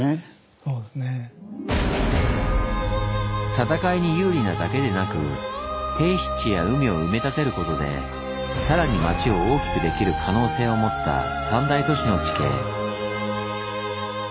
戦いに有利なだけでなく低湿地や海を埋め立てることでさらに町を大きくできる可能性を持った三大都市の地形。